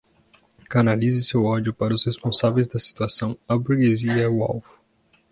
Canalize seu ódio para os responsáveis da situação, a burguesia é o alvo